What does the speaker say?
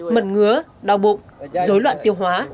mật ngứa đau bụng dối loạn tiêu hóa